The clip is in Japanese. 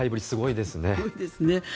すごいですね。